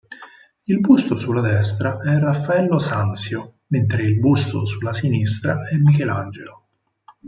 Il busto sulla destra è Raffaello Sanzio, mentre il busto sulla sinistra è Michelangelo.